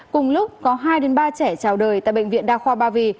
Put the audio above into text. cùng lúc có hai ba trẻ trào đời tại bệnh viện đa khoa ba vì